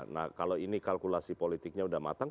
nah kalau ini kalkulasi politiknya sudah matang